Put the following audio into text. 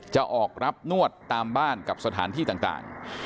จะออกรับนวดตามบ้านกับสถานที่ต่าง